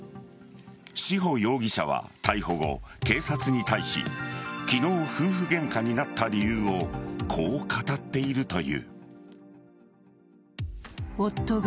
志保容疑者は逮捕後、警察に対し昨日、夫婦ゲンカになった理由をこう語っているという。